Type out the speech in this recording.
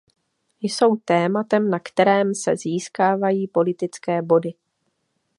Jsou tématem, na kterém se získávají politické body.